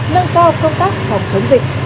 nâng cao công tác phòng chống dịch